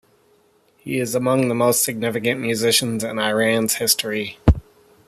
He is among the most significant musicians in Iran's history.